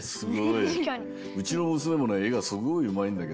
うちのむすめもねえがすごいうまいんだけど。